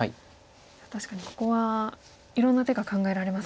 確かにここはいろんな手が考えられますか。